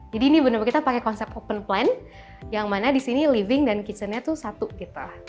jadi ini benar benar kita pakai konsep open plan yang mana di sini living dan kitchen nya tuh satu gitu